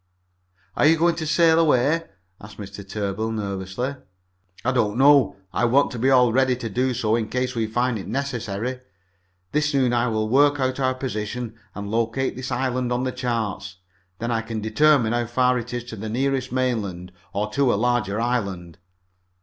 "Are you going to sail away?" asked Mr. Tarbill nervously. "I don't know. I want to be all ready to do so in case we find it necessary. This noon I will work out our position and locate this island on the chart. Then I can determine how far it is to the nearest mainland, or to a larger island."